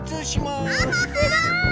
すごい！